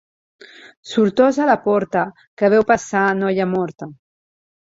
Sortosa la porta que veu passar noia morta.